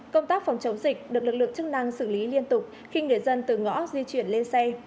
công tác phòng chống dịch được lực lượng chức năng xử lý liên tục khi người dân từ ngõ di chuyển lên xe